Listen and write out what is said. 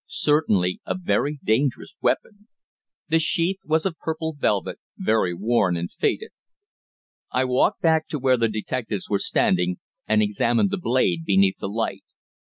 Certainly a very dangerous weapon. The sheath was of purple velvet, very worn and faded. I walked back to where the detectives were standing, and examined the blade beneath the light.